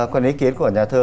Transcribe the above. còn ý kiến của nhà thơ